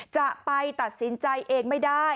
จะไปตัดสินใจเองไม่ได้